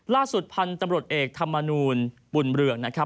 ล่าสุดพันธ์ตำรวจเอกธรรมนูญปุ่นเบลือก